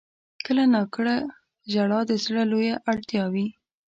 • کله ناکله ژړا د زړه لویه اړتیا وي.